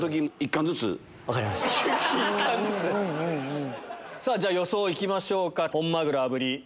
１巻ずつ！じゃ予想行きましょうか。